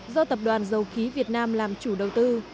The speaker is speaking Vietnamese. do tập đoàn dầu khí việt nam làm chủ đầu tư